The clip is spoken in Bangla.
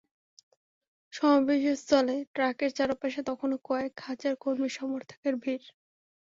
সমাবেশস্থলে ট্রাকের চারপাশে তখনো কয়েক হাজার কর্মী সমর্থকের ভিড়।